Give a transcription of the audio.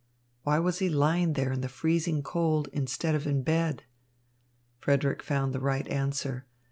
Why was he lying there in the freezing cold instead of in bed? Frederick found the right answer.